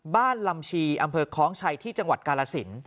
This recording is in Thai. ลำชีอำเภอคล้องชัยที่จังหวัดกาลสิน